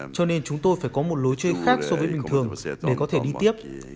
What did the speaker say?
cho nên chúng tôi phải có một lối chơi khác so với bình thường để có thể đi tiếp